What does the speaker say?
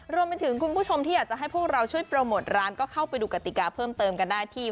รวมไปถึงคุณผู้ชมที่อยากจะให้พวกเราช่วยโปรโมทร้านก็เข้าไปดูกติกาเพิ่มเติมกันได้ที่